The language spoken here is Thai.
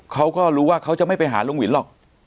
เขาก็รู้ว่าเขาจะไม่ไปหาลุงวินหรอก